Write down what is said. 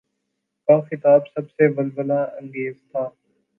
کا خطاب سب سے ولولہ انگیز تھا۔